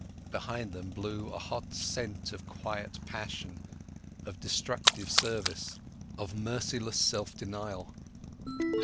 Behind them blew a hot scent of quiet passion, of destructive service, of merciless self denial.